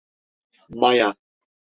Maya…